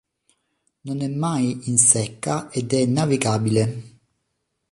Non è mai in secca ed è navigabile.